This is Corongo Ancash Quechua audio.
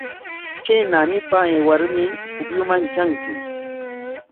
Kay naanipa aywarmi pukyuman tranki.